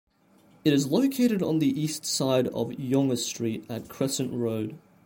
It is located on the east side of Yonge Street at Crescent Road.